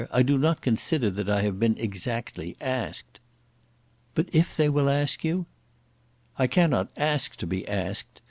I do not consider that I have been exactly asked." "But if they will ask you?" "I cannot ask to be asked.